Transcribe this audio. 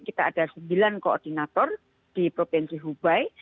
kita ada sembilan koordinator di provinsi hubei